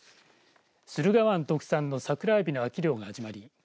駿河湾特産のサクラエビの秋漁が始まり